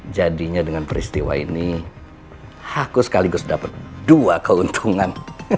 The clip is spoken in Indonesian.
jadinya dengan peristiwa ini aku sekaligus dapat dua keuntungan